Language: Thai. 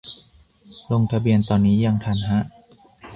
ลงทะเบียนตอนนี้ยังทันฮะ